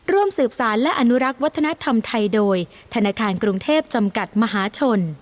ร่วมสืบสารและอนุรักษ์วัฒนธรรมไทยโดยธนาคารกรุงเทพจำกัดมหาชน